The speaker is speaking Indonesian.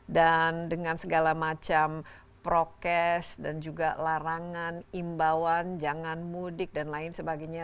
dan dengan segala macam prokes dan juga larangan imbauan jangan mudik dan lain sebagainya